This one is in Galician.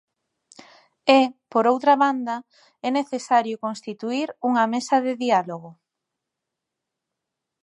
E, por outra banda, é necesario constituír unha mesa de diálogo.